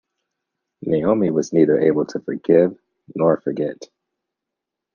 Naomi was neither able to forgive nor forget.